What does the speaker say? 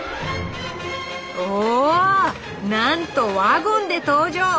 おなんとワゴンで登場！